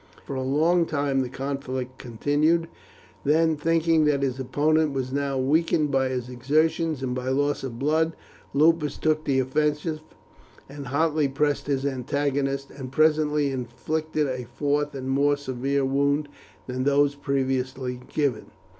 For a long time the conflict continued, then, thinking that his opponent was now weakened by his exertions and by loss of blood, Lupus took the offensive and hotly pressed his antagonist, and presently inflicted a fourth and more severe wound than those previously given.